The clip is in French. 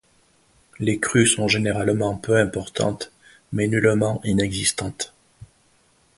Les crues sont généralement peu importantes mais nullement inexistantes.